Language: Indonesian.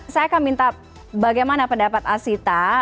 saya akan minta bagaimana pendapat asita